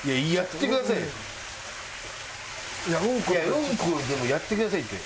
ウンコでもやってくださいって。